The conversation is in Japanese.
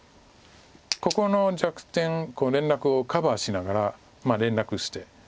ここの弱点連絡をカバーしながらまあ連絡して。